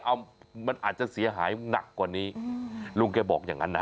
เอามันอาจจะเสียหายหนักกว่านี้ลุงแกบอกอย่างนั้นนะ